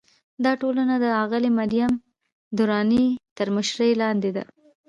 دا ټولنه د اغلې مریم درانۍ تر مشرۍ لاندې ده.